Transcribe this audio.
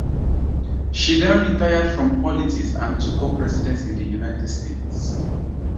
She then retired from politics and took up residence in the United States.